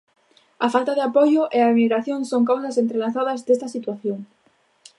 A falta de apoio e a emigración son causas entrelazadas desta situación.